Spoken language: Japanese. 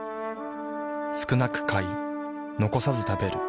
少なく買い残さず食べる。